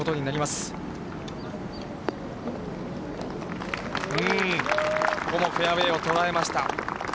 うーん、ここもフェアウエーを捉えました。